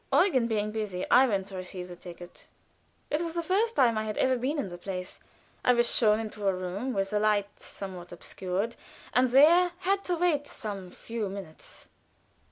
Eugen being busy, I went to receive the ticket. It was the first time I had been in the place. I was shown into a room with the light somewhat obscured, and there had to wait some few minutes.